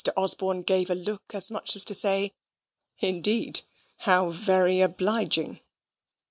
Osborne gave a look as much as to say, "Indeed, how very obliging!"